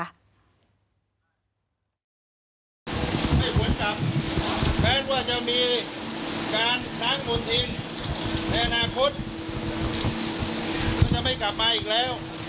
ไม่ผลตับแทนว่าจะมีการท้านหุ่นทินในอนาคตจะไม่กลับมาอีกแล้ว